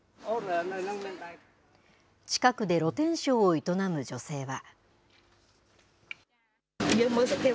近くで露天商を営む女性は。